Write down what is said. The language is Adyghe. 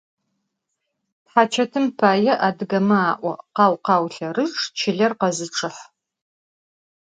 Thaçetım pay adıgeme a'o: «Khau - khau lherıçç, çıler şe khezıççıh».